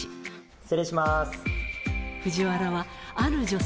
失礼します。